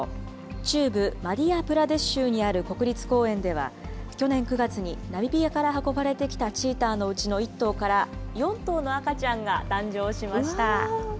中部マディヤプラデシュ州にある国立公園では、去年９月にナミビアから運ばれてきたチーターのうちの１頭から４頭の赤ちゃんが誕生しました。